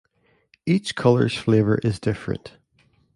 Each color's flavor is different.